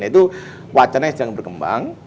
itu wacana yang sedang berkembang